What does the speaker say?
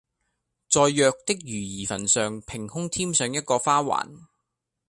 在《藥》的瑜兒的墳上平空添上一個花環，